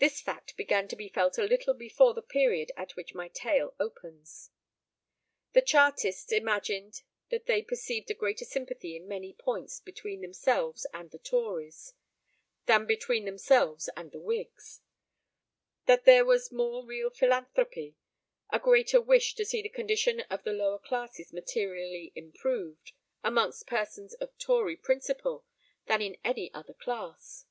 This fact began to be felt a little before the period at which my tale opens. The Chartists imagined that they perceived a greater sympathy in many points between themselves and the Tories, than between themselves and the Whigs; that there was more real philanthropy, a greater wish to see the condition of the lower classes materially improved, amongst persons of Tory principle, than in any other class.